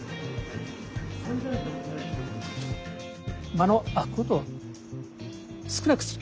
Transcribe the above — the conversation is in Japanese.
間の空くこと少なくする。